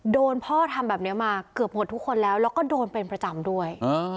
โดนพ่อทำแบบนี้มาเกือบหมดทุกคนแล้วแล้วก็โดนเป็นประจำด้วย